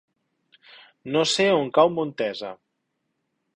No sé on cau Montesa.